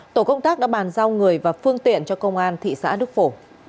tổ công tác đã bàn giao người và phương tiện cho công an thị xã đức phổ